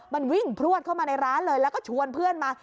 มันวิ่งพลวดเข้ามาในร้านเลยแล้วก็ชวนเพื่อนมา